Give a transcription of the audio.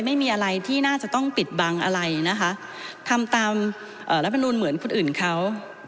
ไม่มีอะไรที่น่าจะต้องปิดบังอะไรนะคะทำตามรัฐมนุนเหมือนคนอื่นเขา